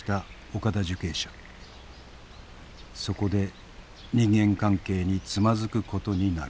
そこで人間関係につまずくことになる。